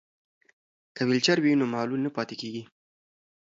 که ویلچر وي نو معلول نه پاتیږي.